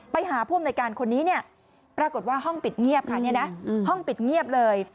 ไปหาพร่อมในการคนนี้เนี่ยปรากฏว่าห้องปิดเงียบค่ะห้องปิดเงียบเลย